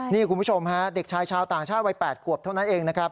นี่คุณผู้ชมฮะเด็กชายชาวต่างชาติวัย๘ขวบเท่านั้นเองนะครับ